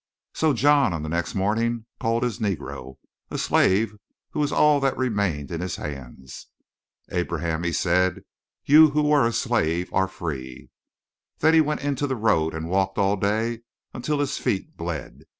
"So John on the next morning called to his Negro, a slave who was all that remained in his hands. "'Abraham,' he said, 'you who were a slave are free.' "Then he went into the road and walked all the day until his feet bled.